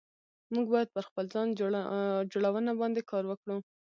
موږ بايد پر خپل ځان جوړونه باندي کار وکړو